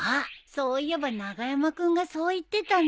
そういえば長山君がそう言ってたね。